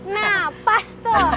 nah pas tuh